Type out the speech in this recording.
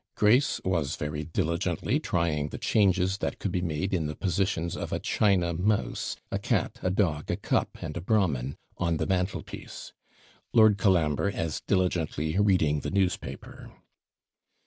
Grace was very diligently trying the changes that could be made in the positions of a china mouse, a cat, a dog, a cup, and a Brahmin, on the mantelpiece; Lord Colambre as diligently reading the newspaper.